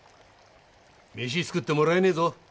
飯作ってもらえねえぞ。